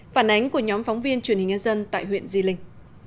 phản ánh của nhóm phóng viên truyền hình nhân dân tại huyện di linh